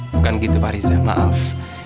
bukan gitu pak riza maaf